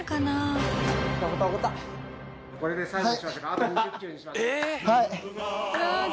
はい。